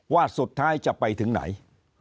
ว่าสุดท้ายจะไปถึงไหน